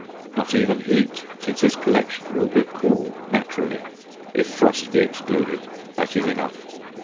Not even heat, since his collection will be "cool" naturally; if frost be excluded, that is enough.